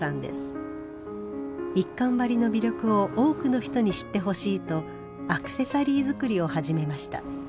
一閑張の魅力を多くの人に知ってほしいとアクセサリー作りを始めました。